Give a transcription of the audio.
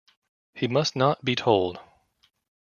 He must not be told.